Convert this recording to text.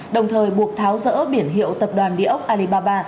đồng thời buộc tháo rỡ biển hiệu tập đoàn địa ốc alibaba